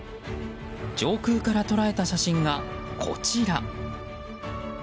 上空から捉えた写真がこちら。